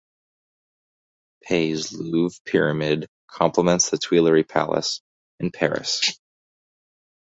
Pei's Louvre Pyramid complements the Tuileries Palace in Paris.